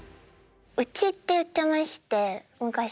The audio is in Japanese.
「うち」って言ってまして昔。